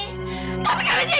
tapi karena dia itu adalah